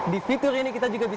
di fitur ini kita juga bisa